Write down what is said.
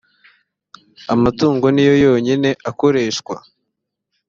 amatungo ni yo yonyine akoreshwa